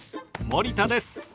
森田です！